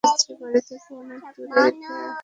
বাড়ি থেকে অনেক দূরে রেখে আয়।